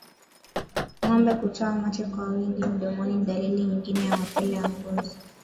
Ngombe kutoa mate kwa wingi mdomoni ni dalili nyingine ya mapele ya ngozi